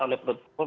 oleh perut umum